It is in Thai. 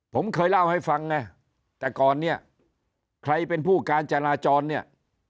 ผมเคยเล่าให้ฟังไงแต่ก่อนเนี่ยใครเป็นผู้การจราจรเนี่ย